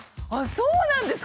そうなんですか？